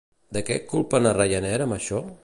De què culpen a Ryanair amb això?